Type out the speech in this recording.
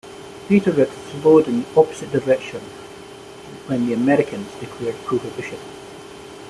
Later it flowed in the opposite direction when the Americans declared Prohibition.